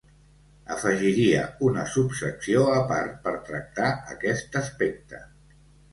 Afegiria una subsecció a part per tractar aquest aspecte.